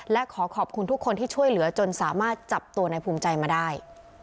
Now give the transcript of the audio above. และขอขอบคุณทุกคนที่ช่วยเหลือจนสามารถจับตัวในภูมิใจมาได้